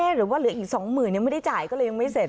หรือว่าเหลืออีก๒๐๐๐ยังไม่ได้จ่ายก็เลยยังไม่เสร็จ